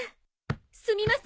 すみません。